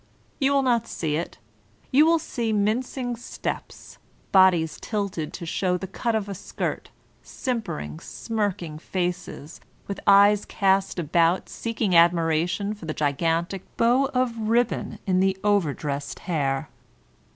You will not see it. You will see mincing steps, bodies tilted to show the cut of a skirt, simpering, smirking faces, with eyes cast about seeking admiration for the gigantic bow of ribbon in the over dressed hair.